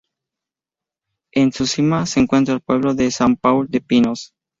En su cima, se encuentra el pueblo de Sant Pau de Pinos.